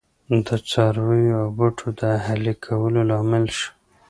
د څارویو او بوټو د اهلي کولو لامل شو.